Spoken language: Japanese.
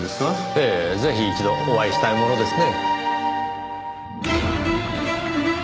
ええぜひ一度お会いしたいものですね。